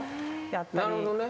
なるほどね。